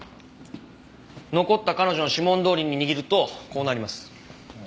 残った彼女の指紋どおりに握るとこうなります。